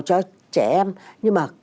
cho trẻ em nhưng mà